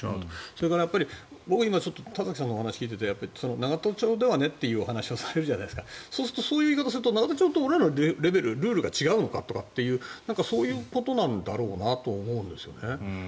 それから、僕は今田崎さんのお話を聞いていて永田町ではねっていうお話をされるじゃないですかそういう言い方をされると永田町って俺らとルールが違うのかというそういうことなんだろうなと思うんですよね。